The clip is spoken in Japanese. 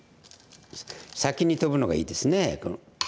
先にトブのがいいですね。